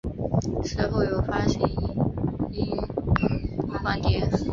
事后有发行影音光碟。